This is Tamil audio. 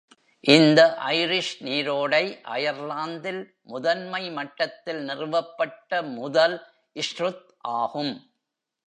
இந்த ஐரிஷ் நீரோடை அயர்லாந்தில் முதன்மை மட்டத்தில் நிறுவப்பட்ட முதல் 'ஸ்ருத்' ஆகும்.